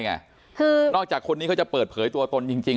คือนอกจากคนนี้เขาจะเปิดเผยตัวตนจริง